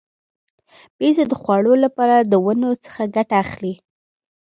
بیزو د خوړو لپاره له ونو څخه ګټه اخلي.